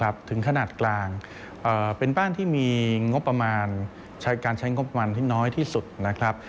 บ้านที่น้อยที่สุดนะครับ